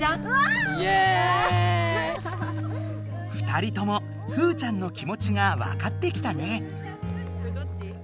２人ともふーちゃんの気持ちがわかってきたね。